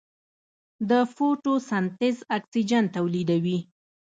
د فوټوسنتز اکسیجن تولیدوي.